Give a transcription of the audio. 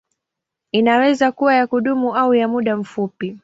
Inaweza kuwa ya kudumu au ya muda mfupi.